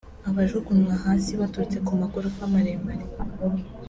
abajugunywa hasi baturutse ku magorofa maremare